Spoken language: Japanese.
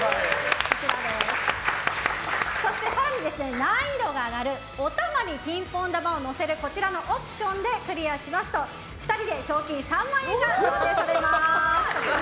そして、更に難易度が上がるお玉にピンポン球を載せるオプションでクリアしますと２人で賞金３万円が贈呈されます。